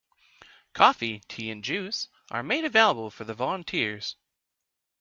Coffee, tea and juice are made available for the volunteers.